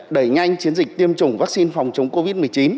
đẩy nhanh chiến dịch tiêm chủng vaccine phòng chống covid một mươi chín